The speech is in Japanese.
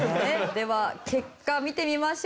では結果見てみましょう。